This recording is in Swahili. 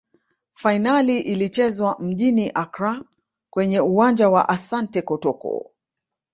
fainali ilichezwa mjini accra kwenye uwanja wa asante kotoko